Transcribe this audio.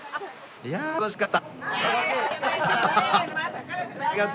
いや楽しかった！